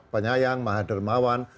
penyayang maha dermawan